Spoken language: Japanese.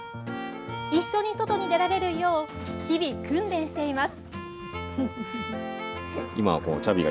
一緒に外に出られるよう日々、訓練しています。